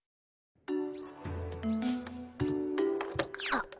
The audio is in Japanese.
あっ。